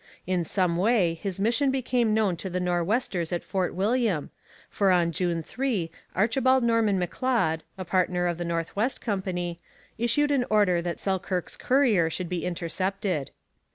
In some way his mission became known to the Nor'westers at Fort William, for on June 3 Archibald Norman M'Leod, a partner of the North West Company, issued an order that Selkirk's courier should be intercepted.